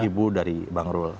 ibu dari bang irul